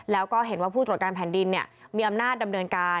แล้วก็เห็นว่าผู้ตรวจการแผ่นดินมีอำนาจดำเนินการ